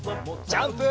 ジャンプ！